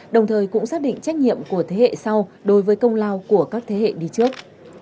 đồng thời cũng xác định trách nhiệm của thế hệ sau đối với công lao của các thế hệ đi trước